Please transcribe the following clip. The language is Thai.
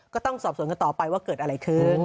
ก็ต้องสอบสวนกันต่อไปว่าเกิดอะไรขึ้น